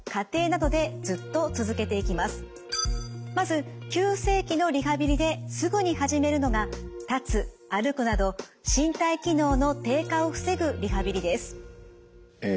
まず急性期のリハビリですぐに始めるのが立つ・歩くなど身体機能の低下を防ぐリハビリです。